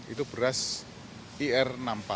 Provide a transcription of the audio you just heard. itu beras ir enam puluh empat